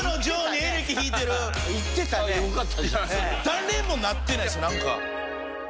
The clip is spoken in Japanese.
誰もなってないですよなんか。